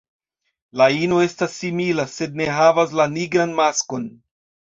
La ino estas simila, sed ne havas la nigran maskon.